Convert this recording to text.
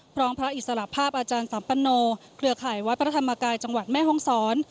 พร้อมพระอิสระภาพอาจารย์สัมปันโนเครือไขวัตรพระธรรมกายจังหวัดแม่ฮ่องศร